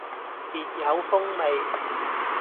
別有風味